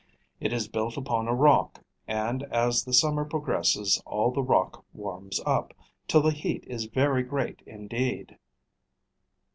It is built upon a rock; and as the summer progresses all the rock warms up, till the heat is very great indeed.